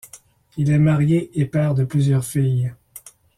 Il est marié et père de plusieurs filles.